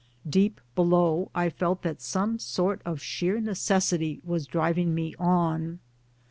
Deep below I felt that some sort of sheer necessity was driving me on.